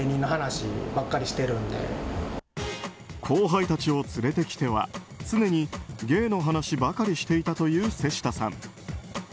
後輩たちを連れてきては常に芸の話ばかりしていたという瀬下さん。